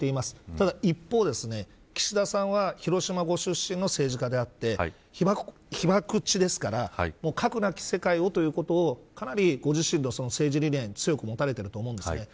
ただ一方で岸田さんは広島ご出身の政治家であって被爆地ですから核なき世界をということをかなり、ご自身の政治理念で強く持たれていると思うんです。